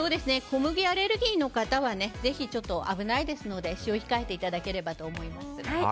小麦アレルギーの方は危ないですので使用を控えていただければと思います。